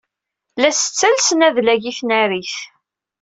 La as-ttalsen adlag i tnarit.